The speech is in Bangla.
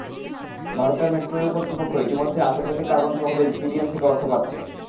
ভারতের মেট্রোরেল কর্তৃপক্ষ ইতিমধ্যে আন্তর্জাতিক কার্বন তহবিল সিডিএম থেকে অর্থ পাচ্ছে।